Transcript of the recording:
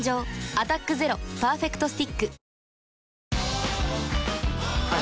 「アタックＺＥＲＯパーフェクトスティック」